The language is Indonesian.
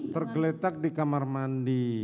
tergeletak di kamar mandi